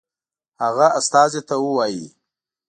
هغه استازي ته ووايي.